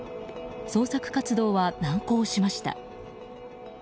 捜索活動は難航しました。